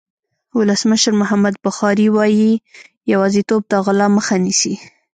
ولسمشر محمد بخاري وایي یوازېتوب د غلا مخه نیسي.